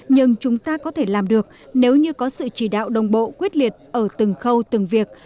nhưng chúng ta có thể làm được nếu như có sự chỉ đạo đồng bộ quyết liệt ở từng khâu từng việc